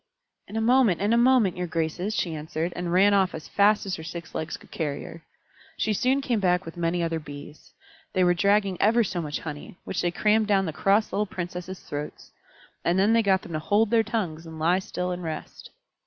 "In a moment, in a moment, your graces," she answered, and ran off as fast as her six legs could carry her. She soon came back with many other Bees. They were dragging ever so much honey, which they crammed down the cross little Princesses' throats. And then they got them to hold their tongues and lie still and rest.